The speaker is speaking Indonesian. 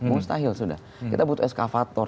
mustahil sudah kita butuh eskavator